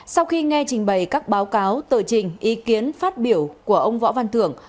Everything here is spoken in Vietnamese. sau khi nghe trình bày các báo cáo tờ trình ý kiến phát biểu của ông võ văn thưởng